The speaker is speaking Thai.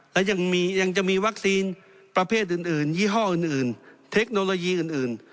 และยังจะมีวัคซีนประเภทอื่นยี่ห้ออื่นเทคโนโลยีอื่น